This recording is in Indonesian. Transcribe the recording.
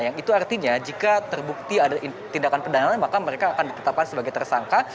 yang itu artinya jika terbukti ada tindakan pendanaan maka mereka akan ditetapkan sebagai tersangka